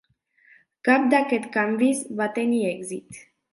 Cap d'aquests canvis va tenir èxit.